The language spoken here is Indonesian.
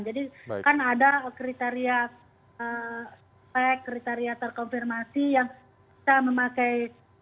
jadi kan ada kriteria spek kriteria terkonfirmasi yang bisa memakai